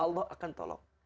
allah akan tolong